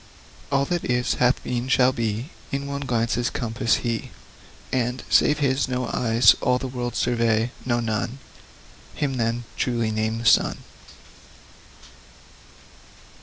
All that is, hath been, shall be, In one glance's compass, He Limitless descries; And, save His, no eyes All the world survey no, none! Him, then, truly name the Sun.